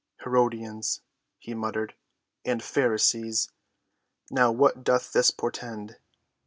"Herodians!" he muttered, "and Pharisees. Now, what doth this portend?"